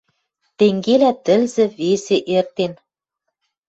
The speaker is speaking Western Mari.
Тенгелӓ тӹлзӹ, весӹ эртен